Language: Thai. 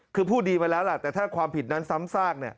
คือพูดดีไปแล้วล่ะแต่ถ้าความผิดนั้นซ้ำซาก